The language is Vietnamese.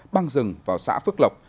băng rừng vào xã phước lộc